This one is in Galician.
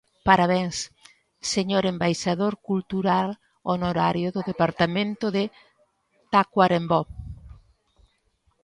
Parabéns, señor Embaixador Cultural Honorario do Departamento de Tacuarembó!